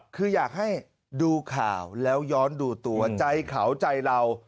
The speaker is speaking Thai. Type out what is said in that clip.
คืออยากให้ดูข่าวแล้วย้อนดูตัวใจเขาใจเรา